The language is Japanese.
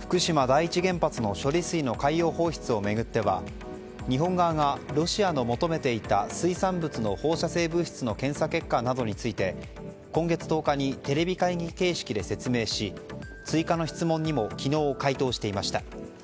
福島第一原発の処理水の海洋放出を巡っては日本側が、ロシアの求めていた水産物の放射性物質の検査結果などについて今月１０日にテレビ会議形式で説明し追加の質問にも昨日、回答していました。